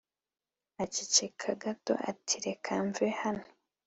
aceceka gato ati 'reka mve hano